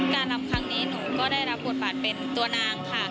การรำครั้งนี้หนูก็ได้รับบทบาทเป็นตัวนางค่ะ